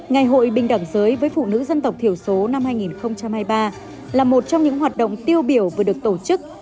ngày hội bình đẳng giới với phụ nữ dân tộc thiểu số năm hai nghìn hai mươi ba là một trong những hoạt động tiêu biểu vừa được tổ chức